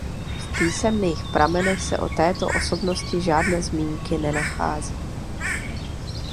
V písemných pramenech se o této osobnosti žádné zmínky nenachází.